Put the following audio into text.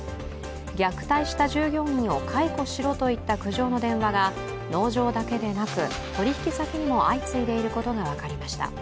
虐待した従業員を解雇しろといった苦情の電話が農場だけでなく、取引先にも相次いでいることが分かりました。